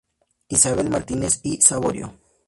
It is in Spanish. Isabel Martínez y Saborío.